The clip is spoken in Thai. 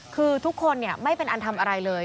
คือทุกคนไม่เป็นอันทำอะไรเลย